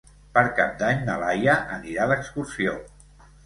Per Cap d'Any na Laia anirà d'excursió.